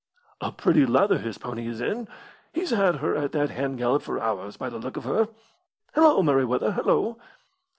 "A pretty lather his pony is in! He's had her at that hand gallop for hours, by the look of her. Hullo, Merryweather, hullo!"